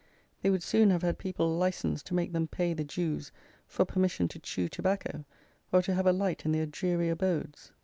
They would soon have had people "licensed" to make them pay the Jews for permission to chew tobacco, or to have a light in their dreary abodes.